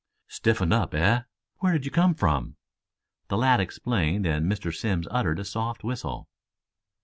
"Stiffened up, eh? Where did you come from?" The lad explained and Mr. Simms uttered a soft whistle.